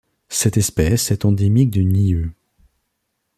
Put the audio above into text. Cette espèce est endémique de Niue.